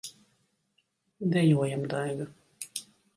Dejojam, Daiga!